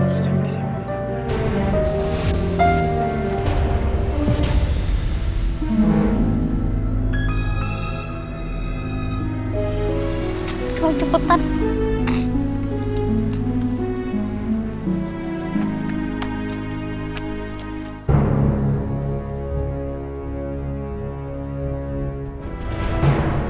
kau cukup taruh